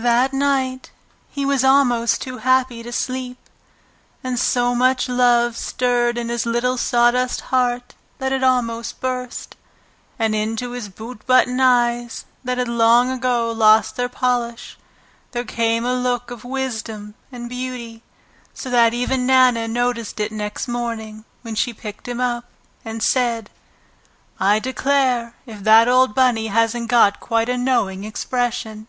That night he was almost too happy to sleep, and so much love stirred in his little sawdust heart that it almost burst. And into his boot button eyes, that had long ago lost their polish, there came a look of wisdom and beauty, so that even Nana noticed it next morning when she picked him up, and said, "I declare if that old Bunny hasn't got quite a knowing expression!"